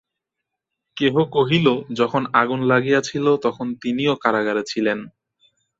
কেহ কহিল, যখন আগুন লাগিয়াছিল, তখন তিনিও কারাগারে ছিলেন।